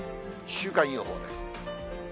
週間予報です。